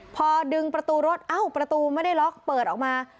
พอดึงประตูรถเอ้าประตูไม่ได้ล็อกเปิดออกมา